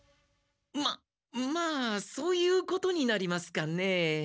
まっまあそういうことになりますかねえ。